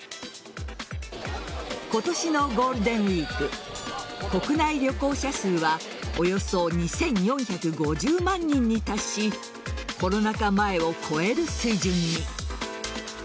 今年のゴールデンウイーク国内旅行者数はおよそ２４５０万人に達しコロナ禍前を超える水準に。